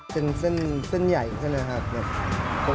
เป็นเส้นใหญ่ใช่ไหมครับ